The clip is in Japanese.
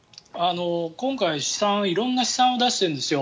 今回、色んな試算を出しているんですよ。